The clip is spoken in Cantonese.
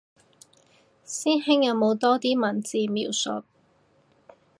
師兄有冇多啲文字描述